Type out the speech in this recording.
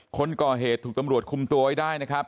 คนกล่อเหตุที่ตำรวจคุมตัวได้นะครับ